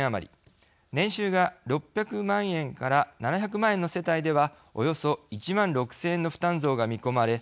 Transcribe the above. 年収が６００万円から７００万円の世帯ではおよそ１万６，０００円の負担増が見込まれ